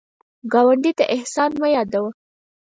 ګاونډي ته احسان مه یادوه